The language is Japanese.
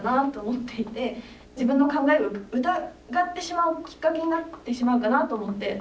自分の考えを疑ってしまうきっかけになってしまうかなと思って。